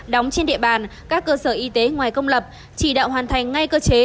đóng trên địa bàn các cơ sở y tế ngoài công lập chỉ đạo hoàn thành ngay cơ chế